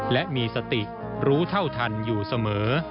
และมีสติรู้เท่าทันอยู่เสมอ